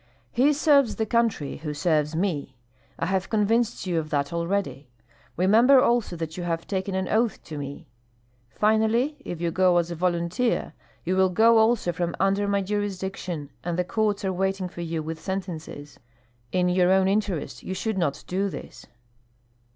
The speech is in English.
"He serves the country who serves me, I have convinced you of that already. Remember also that you have taken an oath to me. Finally, if you go as a volunteer you will go also from under my jurisdiction, and the courts are waiting for you with sentences. In your own interest you should not do this."